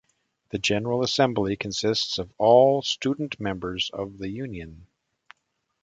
The General Assembly consists of all student-members of the Union.